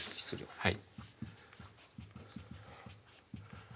はい。